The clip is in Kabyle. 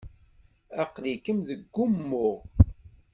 Aqli-kem deg umuɣ.